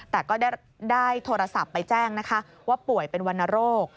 แต่ก็ได้โทรศัพท์ไปแจ้งนะคะว่าป่วยเป็นวรรณโรค